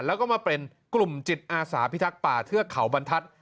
แล้วก็มาเป็นกลุ่มจิตอาสาพิทักษ์ป่าเทือกเขาบรรทัศน์